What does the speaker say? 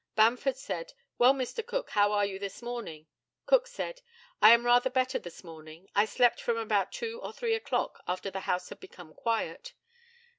Bamford said, "Well, Mr. Cook, how are you this morning?" Cook said, "I am rather better this morning. I slept from about two or three o'clock, after the house had become quiet."